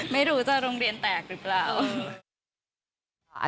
ไม่รู้จะโรงเรียนแตกหรือเปล่า